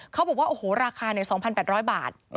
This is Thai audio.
เขาบอกว่าราคาเนี่ย๒๘๐๐บาท